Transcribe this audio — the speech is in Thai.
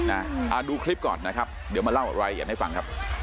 อ่าดูคลิปก่อนนะครับเดี๋ยวมาเล่าวันไว้อย่างเงี้ยฟังครับ